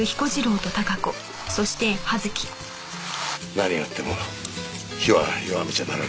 何があっても火は弱めちゃならない。